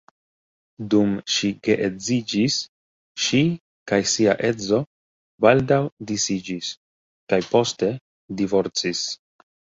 Dum ŝi geedziĝis, ŝi kaj sia edzo baldaŭ disiĝis kaj poste divorcis.